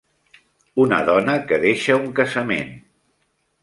Una dona que deixa un casament.